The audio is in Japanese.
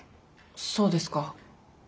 そうですか。